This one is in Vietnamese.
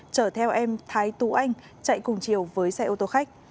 chở theo em thái tú anh chạy cùng chiều với xe ô tô khách